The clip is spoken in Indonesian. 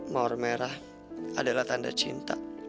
mawar merah adalah tanda cinta